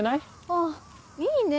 あっいいね